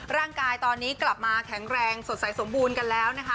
ร่างกายตอนนี้กลับมาแข็งแรงสดใสสมบูรณ์กันแล้วนะคะ